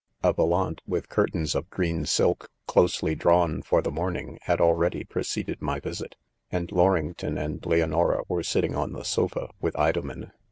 '" A volante with curtains of green silk, closely drawn for the morning, had already preceded my visit 5 and Loringtoii and Leono ra were sitting on the sofa, with; Idomen.